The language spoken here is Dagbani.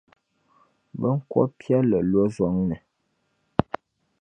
Binkɔb’piɛlli lo zɔŋni.